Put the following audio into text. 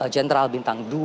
general bintang dua